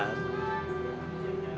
kamu akan terima dari ibu